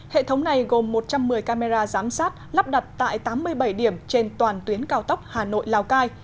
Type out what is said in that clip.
hệ thống này gồm một trăm một mươi camera giám sát lắp đặt tại tám mươi bảy điểm trên toàn tuyến cao tốc hà nội lào cai